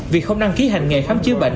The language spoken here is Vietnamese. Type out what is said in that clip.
vì không đăng ký hành nghề khám chứa bệnh